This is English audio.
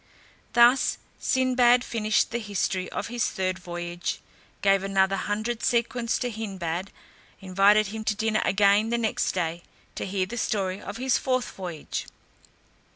Thus Sinbad finished the history of his third voyage; gave another hundred sequins to Hindbad, invited him to dinner again the next day, to hear the story of his fourth voyage.